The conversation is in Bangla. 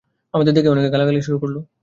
আমাদের দেখেই গালাগালি শুরু করল!